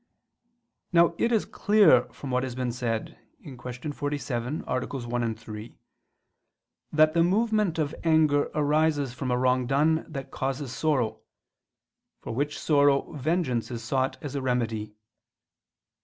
Now it is clear from what has been said (Q. 47, AA. 1, 3), that the movement of anger arises from a wrong done that causes sorrow, for which sorrow vengeance is sought as a remedy.